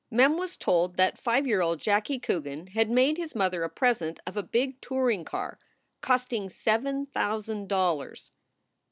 Mem was told that five year old Jackie Coogan had made his mother a present of a big touring car costing seven thousand dollars